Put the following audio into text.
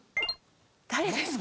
誰ですか？